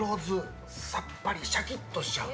さっぱりシャキッとしちゃう。